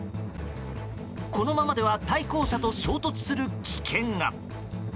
このままでは対向車と衝突する危険が。